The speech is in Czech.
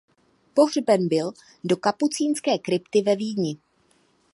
Pohřben byl do kapucínské krypty ve Vídni.